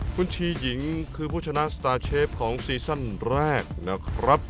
คุณชีหญิงคือผู้ชนะสตาร์เชฟของซีซั่นแรกนะครับ